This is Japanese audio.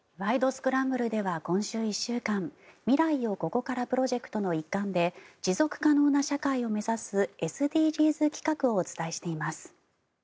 スクランブル」では、今週１週間未来をここからプロジェクトの一環で持続可能な社会を目指すＳＤＧｓ企画をお伝えしています。